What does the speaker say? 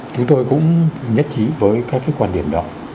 chúng tôi cũng nhất trí với các cái quan điểm đó